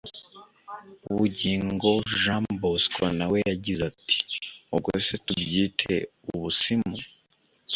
Bugingo Jean Bosco nawe yagize ati “Ubwo se tubyite ubusimu